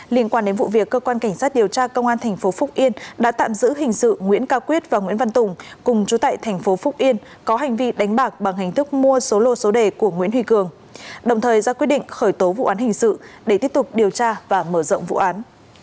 liên quan đến vụ việc cơ quan cảnh sát điều tra công an tp phúc yên đã tạm giữ hình sự nguyễn cao quyết và nguyễn văn tùng cùng chú tại thành phố phúc yên có hành vi đánh bạc bằng hình thức mua số lô số đề của nguyễn huy cường đồng thời ra quyết định khởi tố vụ án hình sự để tiếp tục điều tra và mở rộng vụ án